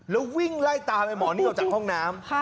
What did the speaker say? แล้ววิ่งไล่ตามไอ้หมอนี่ออกจากห้องน้ำ